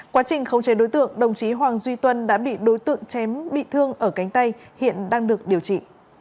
quá trình khống chế đối tượng đồng chí hoàng duy tuân đã bị đối tượng chém bị thương ở cánh tay hiện đang được điều trị